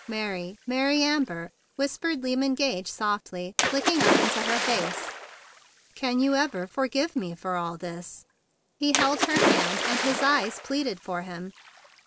"Mary, Mary Amber!" whispered Lyman Gage softly, looking up into her face, "can you ever forgive me for all this?" He held her hand, and his eyes pleaded for him.